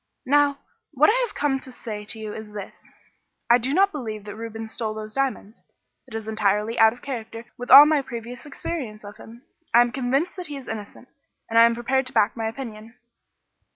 Now, what I have come to say to you is this: I do not believe that Reuben stole those diamonds. It is entirely out of character with all my previous experience of him. I am convinced that he is innocent, and I am prepared to back my opinion."